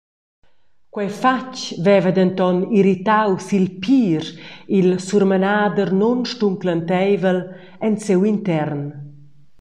Quei fatg veva denton irritau sil pir il surmenader nunstunclenteivel en siu intern.